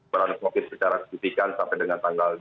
peran covid secara signifikan sampai dengan tanggal dua puluh